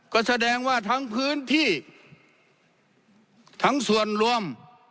ก็แสดงว่าทั้งพื้นที่ทั้งส่วนรวม